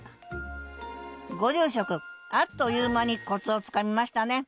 ご住職あっという間にコツをつかみましたね。